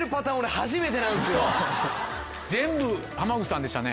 そう全部浜口さんでしたね。